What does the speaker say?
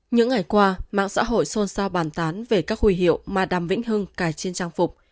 những ngày qua mạng xã hội xôn xao bàn tán về các huy hiệu mà đàm vĩnh hưng cài trên trang phục